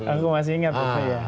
aku masih ingat pak fuy